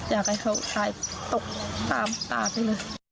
อยากให้เขาตายตกตามตาไปเลย